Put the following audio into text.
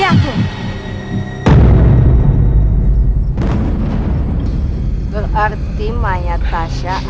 nggak percaya makan